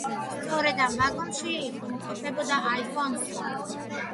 სწორედ ამ ვაგონში იმყოფებოდა ალფონსო.